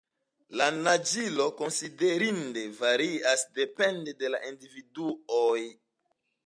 La naĝilo konsiderinde varias depende de la individuoj.